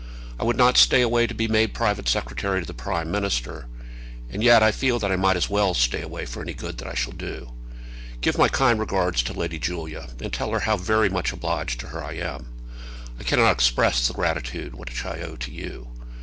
I would not stay away to be made private secretary to the Prime Minister; and yet I almost feel that I might as well stay away for any good that I shall do. Give my kind regards to Lady Julia, and tell her how very much obliged to her I am. I cannot express the gratitude which I owe to you.